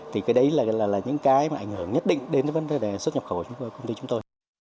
thì cái đấy là những cái mà ảnh hưởng nhất định đến vấn đề xuất nhập khẩu của công ty chúng tôi